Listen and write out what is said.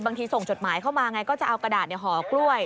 ส่งจดหมายเข้ามาไงก็จะเอากระดาษห่อกล้วย